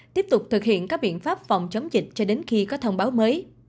tiếp tục thực hiện các biện pháp phòng chống dịch cho đến khi có thông báo mới